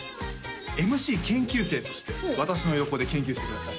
ＭＣ研究生として私の横で研究してください